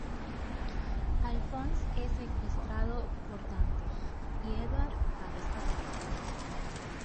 Alphonse es secuestrado por Dante y Edward va a rescatarlo.